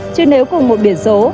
chứ nếu cùng một biển số